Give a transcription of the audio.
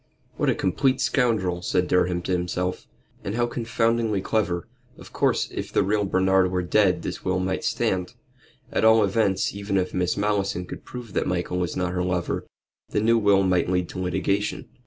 "What a complete scoundrel!" said Durham to himself. "And how confoundedly clever. Of course, if the real Bernard were dead this will might stand. At all events, even if Miss Malleson could prove that Michael is not her lover, the new will might lead to litigation.